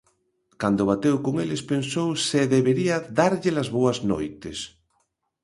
Cando bateu con eles pensou se debería dárlle-las boas noites.